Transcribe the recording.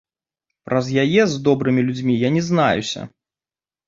Праз яе з добрымі людзьмі я не знаюся.